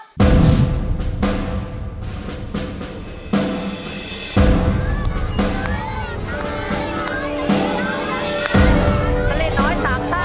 สลิดน้อยสามซ่าสลิดน้อยสามซ่า